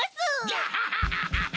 ガハハハハハ！